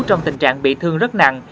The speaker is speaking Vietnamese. trong tình trạng bị thương rất nặng